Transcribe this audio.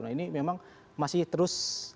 nah ini memang masih terus